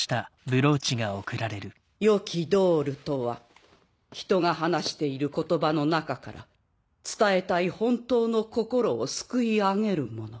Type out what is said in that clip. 良きドールとは人が話している言葉の中から伝えたい本当の心をすくい上げるもの。